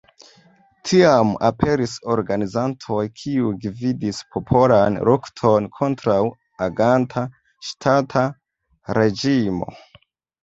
Tiam aperis organizantoj kiuj gvidis popolan lukton kontraŭ aganta ŝtata reĝimo.